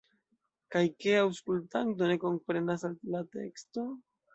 Kaj ke aŭskultanto ne komprenas al la teksto?